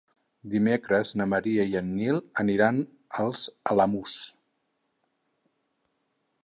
Dimecres na Maria i en Nil aniran als Alamús.